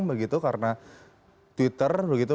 begitu karena twitter begitu